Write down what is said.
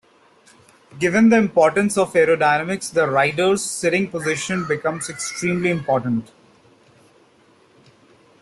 Given the importance of aerodynamics, the riders' sitting position becomes extremely important.